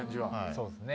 そうですね。